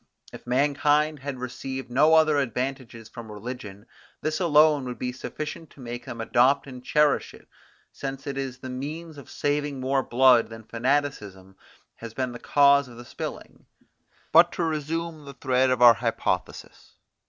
If mankind had received no other advantages from religion, this alone would be sufficient to make them adopt and cherish it, since it is the means of saving more blood than fanaticism has been the cause of spilling. But to resume the thread of our hypothesis.